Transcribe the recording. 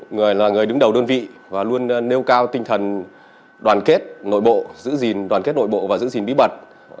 người là người đứng đầu đơn vị và luôn nêu cao tinh thần đoàn kết nội bộ giữ gìn đoàn kết nội bộ và giữ gìn bí mật